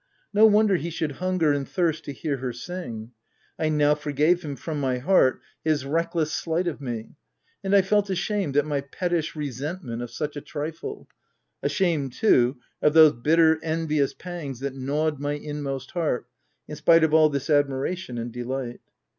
No won der he should hunger and thirst to hear her sing. I now forgave him, from my heart, his reckless slight of me, and I felt ashamed at my pettish resentment of such a trifle — ashamed too of those bitter envious pangs that gnawed my inmost heart, in spite of all this admiration and delight.